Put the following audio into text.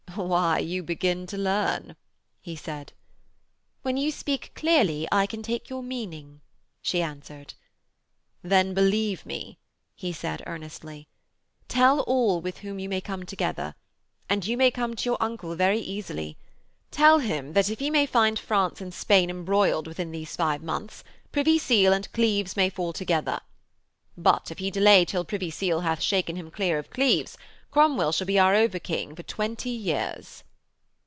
'Why, you begin to learn,' he said. 'When you speak clearly I can take your meaning,' she answered. 'Then believe me,' he said earnestly. 'Tell all with whom you may come together. And you may come to your uncle very easily. Tell him that if he may find France and Spain embroiled within this five months, Privy Seal and Cleves may fall together. But, if he delay till Privy Seal hath shaken him clear of Cleves, Cromwell shall be our over king for twenty years.'